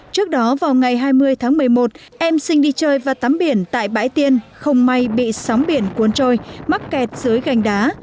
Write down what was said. trước đó vào ngày hai mươi tháng một mươi một em sinh đi chơi và tắm biển tại bãi tiên không may bị sóng biển cuốn trôi mắc kẹt dưới gành đá